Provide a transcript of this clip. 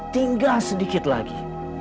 tinggal sedikit lagi